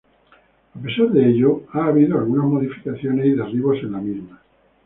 A pesar de ello ha habido algunas modificaciones y derribos en la misma.